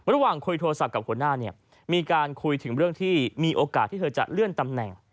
ระหว่างคุยโทรศัพท์กับหัวหน้าเนี่ยมีการคุยถึงเรื่องที่มีโอกาสที่เธอจะเลื่อนตำแหน่ง